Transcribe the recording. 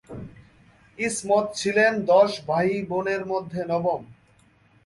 ইসমত ছিলেন দশ ভাই-বোনের মধ্যে নবম।